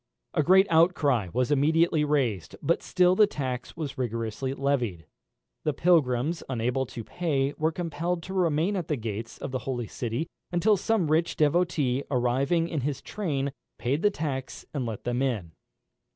A great outcry was immediately raised, but still the tax was rigorously levied. The pilgrims unable to pay were compelled to remain at the gate of the holy city until some rich devotee arriving with his train, paid the tax and let them in.